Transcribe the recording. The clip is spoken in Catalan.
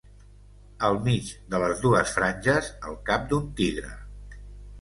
Al mig de les dues franges, el cap d'un tigre.